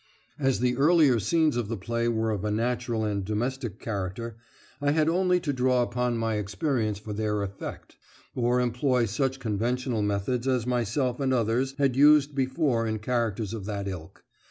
As the earlier scenes of the play were of a natural and domestic character, I had only to draw upon my experience for their effect, or employ such conventional methods as myself and others had used before in characters of that ilk.